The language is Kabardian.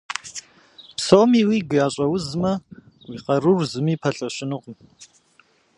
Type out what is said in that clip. Псоми уигу ящӏэузмэ, уи къарур зыми пэлъэщынукъым.